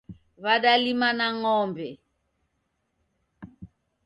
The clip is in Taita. W'adalima na ngombe